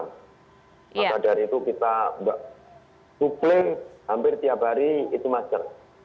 maka dari itu kita suplai hampir tiap hari itu masker